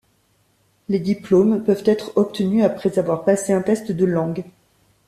Les diplômes peuvent être obtenus après avoir passé un test de langue.